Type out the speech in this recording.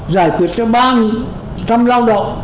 giải quyết cho ba trăm lao động